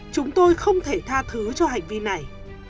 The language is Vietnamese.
chúng tôi không thể tha thứ cho hành vi này